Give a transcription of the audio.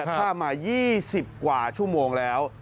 ข้ามมายี่สิบกว่าชั่วโมงแล้ว